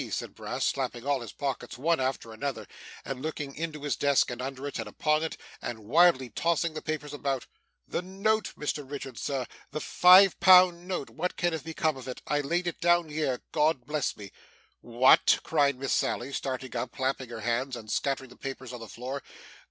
said Brass, slapping all his pockets, one after another, and looking into his desk, and under it, and upon it, and wildly tossing the papers about, 'the note, Mr Richard, sir, the five pound note what can have become of it? I laid it down here God bless me!' 'What!' cried Miss Sally, starting up, clapping her hands, and scattering the papers on the floor.